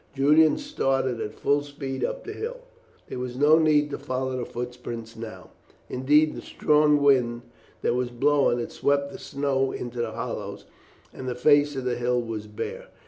Julian started at full speed up the hill. There was no need to follow the footprints now; indeed the strong wind that was blowing had swept the snow into the hollows, and the face of the hill was bare.